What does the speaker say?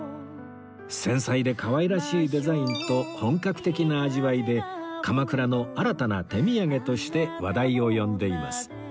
繊細で可愛らしいデザインと本格的な味わいで鎌倉の新たな手土産として話題を呼んでいます